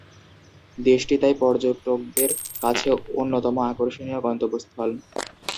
দেশটি তাই পর্যটকদের কাছে অন্যতম আকর্ষণীয় গন্তব্যস্থল।